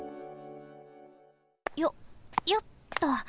よっよっと。